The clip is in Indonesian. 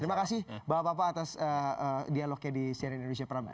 terima kasih bapak bapak atas dialognya di cnn indonesia prime